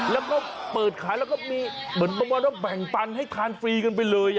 แล้วก็เปิดขายแล้วก็มีเหมือนประมาณว่าแบ่งปันให้ทานฟรีกันไปเลย